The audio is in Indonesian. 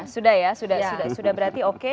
sudah ya sudah berarti oke